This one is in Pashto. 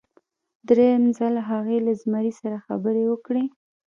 دریم ځل هغې له زمري سره خبرې وکړې.